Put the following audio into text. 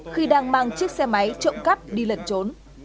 khi đang mang chiếc xe máy trộm cắp đi lẩn trốn